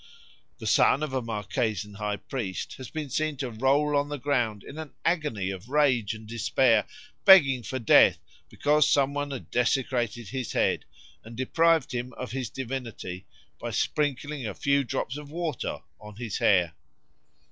The son of a Marquesan high priest has been seen to roll on the ground in an agony of rage and despair, begging for death, because some one had desecrated his head and deprived him of his divinity by sprinkling a few drops of water on his hair.